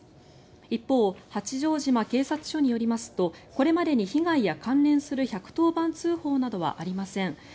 一方、八丈島警察署によりますとこれまでに被害や関連する１１０番通報などはありません。